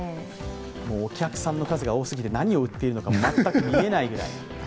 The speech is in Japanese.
お客さんの数が多すぎて、何を売っているのかも分からないくらい。